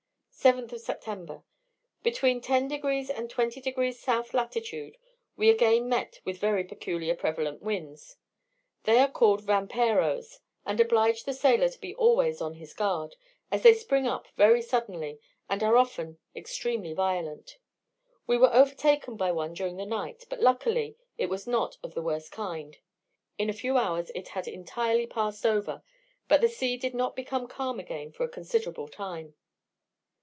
7th September. Between 10 and 20 degrees South latitude we again met with very peculiar prevalent winds. They are called vamperos; and oblige the sailor to be always on his guard, as they spring up very suddenly, and are often extremely violent. We were overtaken by one during the night, but, luckily, it was not of the worst kind. In a few hours it had entirely passed over, but the sea did not become calm again for a considerable time.